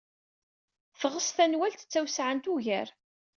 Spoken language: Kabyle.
Teɣs tanwalt d tawesɛant ugar.